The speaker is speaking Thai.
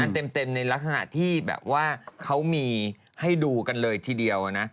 เต็มในลักษณะที่แบบว่าเขามีให้ดูกันเลยทีเดียวนะ